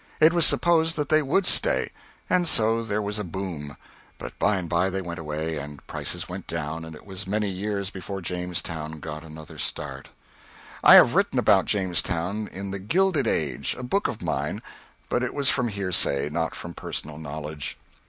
It was supposed that they would stay. And so there was a boom; but by and by they went away, and prices went down, and it was many years before Jamestown got another start. I have written about Jamestown in the "Gilded Age," a book of mine, but it was from hearsay, not from personal knowledge.